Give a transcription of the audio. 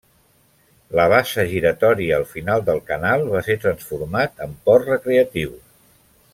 La bassa giratòria al final del canal va ser transformat en port recreatiu.